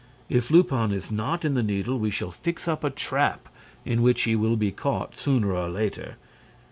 If Lupin is not in the Needle, we shall fix up a trap in which he will be caught sooner or later.